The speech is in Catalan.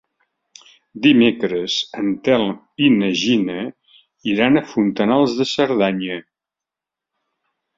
Dimecres en Telm i na Gina iran a Fontanals de Cerdanya.